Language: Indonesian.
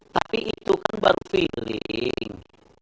tapi itu kan baru feeling